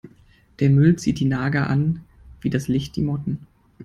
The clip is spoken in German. Der Müll zieht die Nager an wie das Licht die Motten.